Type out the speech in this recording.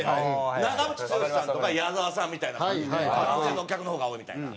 長渕剛さんとか矢沢さんみたいな感じで男性のお客の方が多いみたいな。